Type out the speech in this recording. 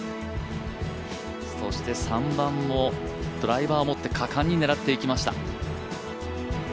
そして３番もドライバーを持って果敢に狙っていきました。